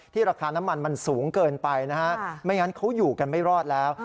ราคาน้ำมันมันสูงเกินไปนะฮะไม่งั้นเขาอยู่กันไม่รอดแล้ว